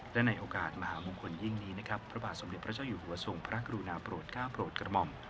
และในโอกาสมหามงคลยิ่งนี้นะครับพระบาทสมเด็จพระเจ้าอยู่หัวทรงพระกรุณาโปรดก้าวโปรดกระหม่อม